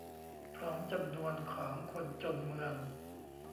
พร้อมจำนวนของคนจนเมือง